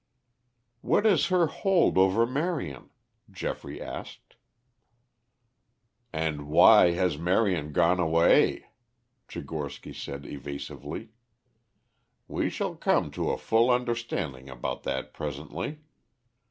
"What is her hold over Marion?" Geoffrey asked. "And why has Marion gone away?" Tchigorsky said evasively. "We shall come to a full understanding about that presently.